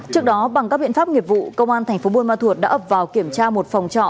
trước đó bằng các biện pháp nghiệp vụ công an thành phố buôn ma thuột đã ập vào kiểm tra một phòng trọ